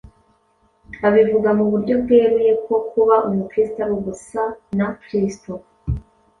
Abivuga mu buryo bweruye ko kuba Umukristo ari ugusa na Kristo.